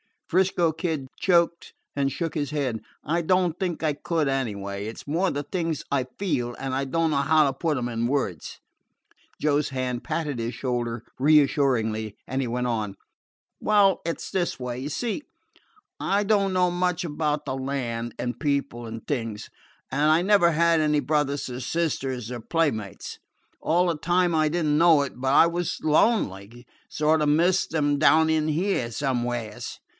'Frisco Kid choked and shook his head. "I don't think I could, anyway. It 's more the things I feel, and I don't know how to put them in words." Joe's hand patted his shoulder reassuringly, and he went on: "Well, it 's this way. You see, I don't know much about the land, and people, and things, and I never had any brothers or sisters or playmates. All the time I did n't know it, but I was lonely sort of missed them down in here somewheres."